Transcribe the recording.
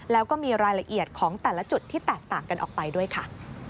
แล้วก็มีรายละเอียดของแต่ละจุดที่แตกต่างกันออกไปด้วยค่ะ